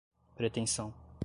pretensão